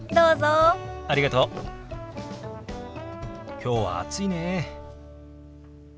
きょうは暑いね。